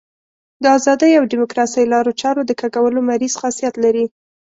د ازادۍ او ډیموکراسۍ لارو چارو د کږولو مریض خاصیت لري.